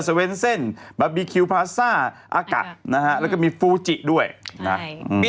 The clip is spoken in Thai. เซเวนเซ่นบาร์บีคิวพลาซ่าอากะแล้วก็มีฟูจิด้วยนะครับ